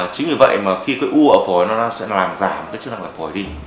chính vì vậy mà khi có u ở phổi nó sẽ làm giảm chức năng phổi đi